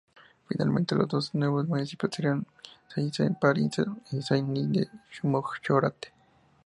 Finalmente, los dos nuevos municipios serían Seyssinet-Pariset y Saint-Nizier-du-Moucherotte.